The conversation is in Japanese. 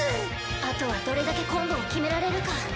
あとはどれだけコンボを決められるか。